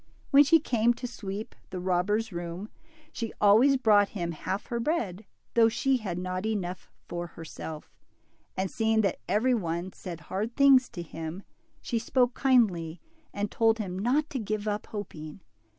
When she came ^fo sweep the robber's room, she always brought him haljTher bread, thoughvshe had not enough for herself ; and seeing that every 'one said hard things to him, she spoke kindly, and told him not to give up hopmg.